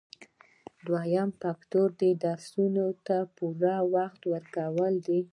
دوهم فکتور درسونو ته پوره وخت ورکول دي.